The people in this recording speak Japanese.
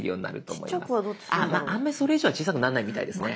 あんまりそれ以上は小さくなんないみたいですね。